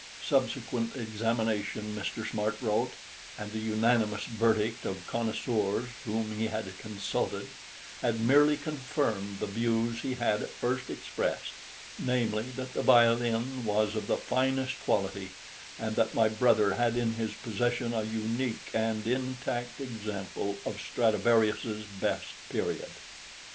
Subsequent examination, Mr. Smart wrote, and the unanimous verdict of connoisseurs whom he had consulted, had merely confirmed the views he had at first expressed namely, that the violin was of the finest quality, and that my brother had in his possession a unique and intact example of Stradivarius's best period.